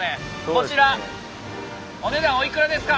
こちらお値段おいくらですか？